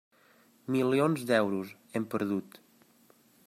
Milions d'euros, hem perdut.